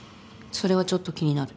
それはちょっと気になる。